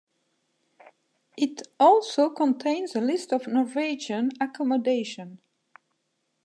It also contains a list of Norwegian accommodation.